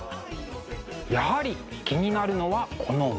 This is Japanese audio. やはり気になるのはこの目。